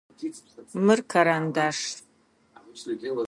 Мыр карандаш.